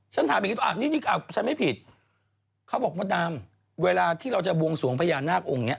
ฉันถามอย่างนี้นี่ฉันไม่ผิดเขาบอกว่าดามเวลาที่เราจะวงส่วงพญานาคศักดิ์องค์นี้